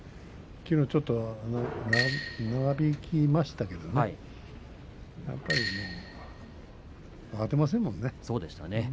きのうはちょっと長引きましたけど慌てませんもんね。